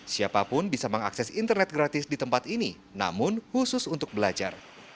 siapapun bisa mengakses internet gratis di tempat ini namun khusus untuk belajar